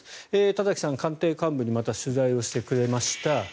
田崎さん、官邸幹部にまた取材してくれました。